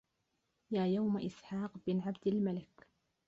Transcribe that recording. يا يوم إسحاق بن عبد الملك